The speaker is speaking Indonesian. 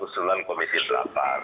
keseluruhan komisi telah berubah